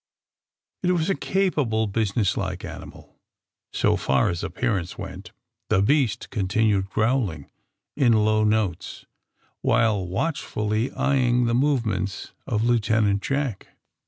It was a capable, business like animal, so far as appearance went. The beast continued growling in low notes, while watchfully eyeing the movements of Lieutenant Jack.